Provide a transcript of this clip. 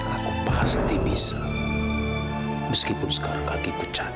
aku pasti bisa meskipun sekarang kakiku cantik